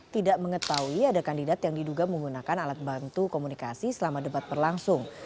tidak mengetahui ada kandidat yang diduga menggunakan alat bantu komunikasi selama debat berlangsung